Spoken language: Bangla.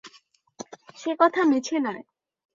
সে কথা মিছে নয়।